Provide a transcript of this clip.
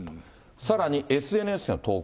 さらに、ＳＮＳへの投稿。